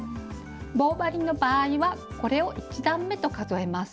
棒針の場合はこれを１段めと数えます。